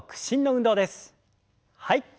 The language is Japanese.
はい。